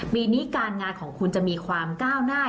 ปีนี้การงานของคุณจะมีความก้าวหน้า